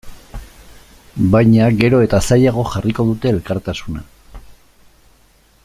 Baina gero eta zailago jarriko dute elkartasuna.